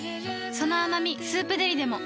その甘み「スープデリ」でも